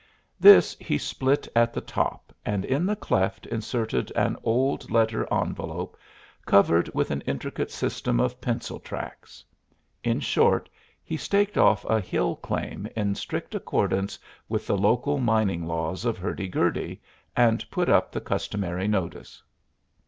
This he split at the top and in the cleft inserted an old letter envelope covered with an intricate system of pencil tracks. In short, he staked off a hill claim in strict accordance with the local mining laws of Hurdy Gurdy and put up the customary notice.